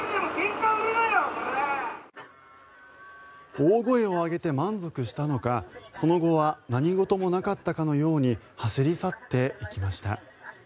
大声を上げて満足したのかその後は何事もなかったかのように走り去っていきました。